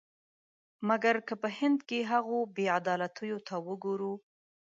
مګر که په هند کې هغو بې عدالتیو ته وګورو.